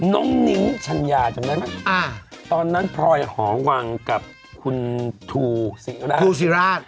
น้องหนิ้มชันยาจำได้ไหมครับตอนนั้นพลอยหอหวังกับคุณธูศิระท์ธูศิระท์